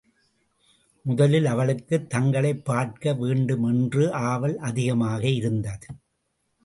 முதலில் அவளுக்குத் தங்களைப் பார்க்க வேண்டுமென்று ஆவல் அதிகமாக இருந்தது.